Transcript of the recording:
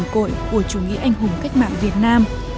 đồng đội của chủ nghĩa anh hùng cách mạng việt nam